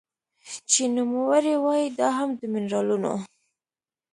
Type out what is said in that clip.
چې نوموړې وايي دا هم د مېنرالونو